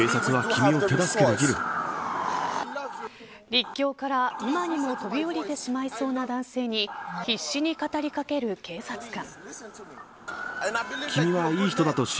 陸橋から今にも飛び降りてしまいそうな男性に必死に語りかける警察官。